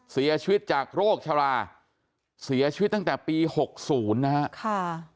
เสียชีวิตจากโรคชราเสียชีวิตตั้งแต่ปี๖๐นะฮะค่ะ